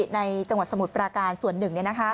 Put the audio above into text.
ในจังหวัดสมุทรปราการส่วนหนึ่ง